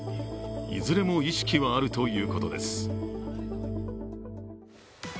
いずれも意識はあるということです。